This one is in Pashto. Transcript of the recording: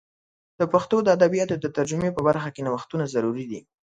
د پښتو د ادبیاتو د ترجمې په برخه کې نوښتونه ضروري دي.